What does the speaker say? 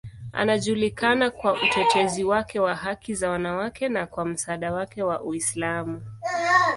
Anajulikana kwa utetezi wake wa haki za wanawake na kwa msaada wake wa Uislamu.